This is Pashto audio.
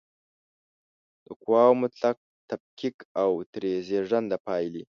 د قواوو مطلق تفکیک او ترې زېږنده پایلې